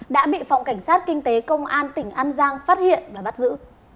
đã bị phòng cảnh sát kinh tế công an tỉnh an giang phát hiện và bắt giữ